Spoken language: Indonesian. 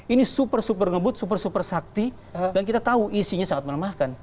ini super super ngebut super super sakti dan kita tahu isinya sangat melemahkan